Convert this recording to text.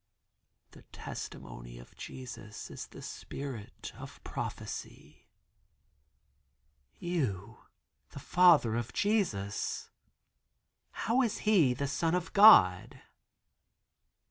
"The testimony of Jesus is the spirit of prophecy." "You, the Father of Jesus, how is He the son of God?"